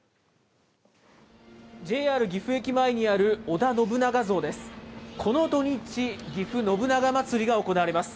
ＪＲ岐阜駅前にある織田信長像です。